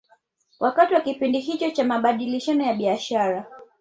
Wakati wa kipindi hicho cha mabadilishano ya biashara